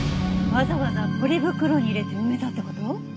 わざわざポリ袋に入れて埋めたって事？